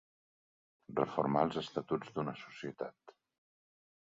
Reformar els estatuts d'una societat.